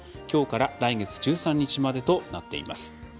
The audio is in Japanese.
きょうから来月１３日までとなっています。